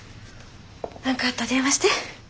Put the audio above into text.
何かあったら電話して。